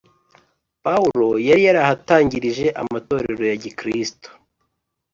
pawulo yari yarahatangije amatorero ya gikristo